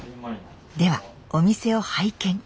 ではお店を拝見。